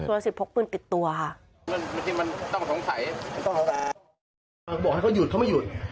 สุรสิตพกปืนติดตัวค่ะ